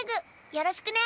よろしくね！